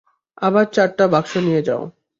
আবার চারটা বাক্স নিয়ে যাও।